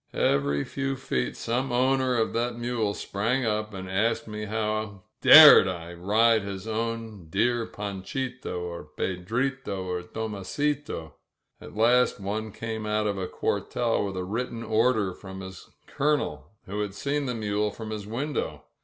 Every few feet some owner of that mule sprang up and asked me how dared I ride his own dear Fanchito, or Pedrito, or Tomasito! At last one came out of a cuartel with a written order from his Colonel, who had seen the mule from his win dow.